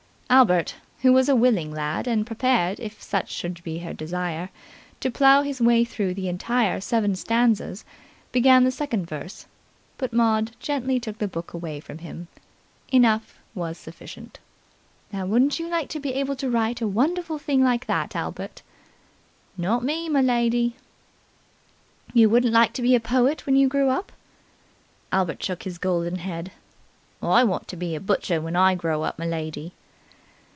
Albert, who was a willing lad and prepared, if such should be her desire, to plough his way through the entire seven stanzas, began the second verse, but Maud gently took the book away from him. Enough was sufficient. "Now, wouldn't you like to be able to write a wonderful thing like that, Albert?" "Not me, m'lady." "You wouldn't like to be a poet when you grow up?" Albert shook his golden head. "I want to be a butcher when I grow up, m'lady."